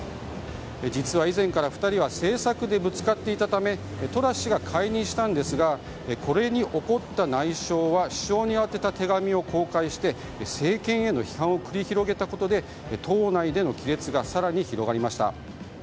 実は以前から２人は政策でぶつかっていたためトラス氏が解任したんですがこれに怒った内相は首相に宛てた手紙を公開して政権への批判を繰り広げたことで党内での亀裂が更に広がりました。